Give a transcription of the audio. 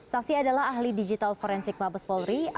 saksi adalah ahli digital forensik mabes polri